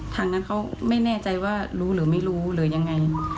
ทางนั้นเขาไม่แน่ใจว่ารู้หรือไม่รู้หรือยังไง